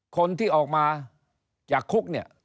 คนที่ออกมาจากคุก